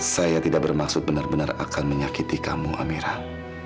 saya tidak bermaksud benar benar akan menyakiti kamu amirah